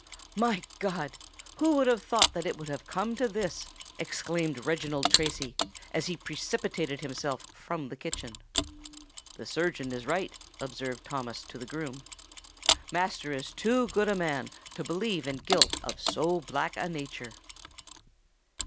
"My God! who would have thought that it would have come to this?" exclaimed Reginald Tracy, as he precipitated himself from the kitchen. "The surgeon is right," observed Thomas to the groom; "master is too good a man to believe in guilt of so black a nature."